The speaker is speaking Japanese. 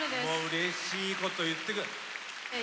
うれしいこと言ってくれる。